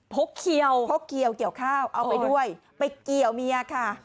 กเขียวพกเขียวเกี่ยวข้าวเอาไปด้วยไปเกี่ยวเมียค่ะ